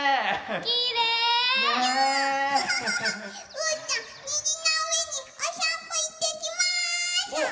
うーたんにじのうえにおさんぽいってきます！